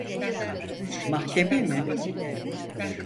Mahkeme mi?